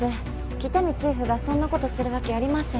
喜多見チーフがそんなことするわけありません